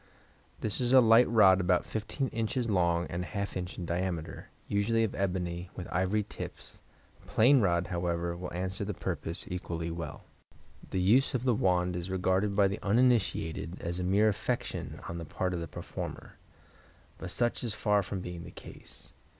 —This is a light rod about 15 in. long and ½ in. in diameter, usually of ebony, with ivory tips; a plain rod, however, will answer the purpose equally well. The use of the wand is regarded by the uninitiated as a mere affectation on the part of the performer, but such is far from being the case.